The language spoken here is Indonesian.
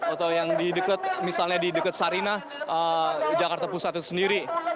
atau yang di dekat misalnya di dekat sarinah jakarta pusat itu sendiri